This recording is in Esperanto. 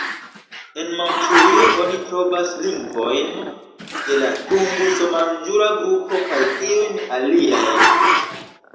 En Manĉurio oni trovas lingvojn de la Tunguso-manĝura grupo kaj iujn aliajn.